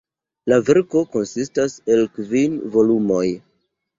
La verko konsistas el kvin volumoj.